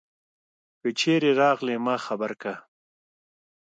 که چیری راغلي ما خبر که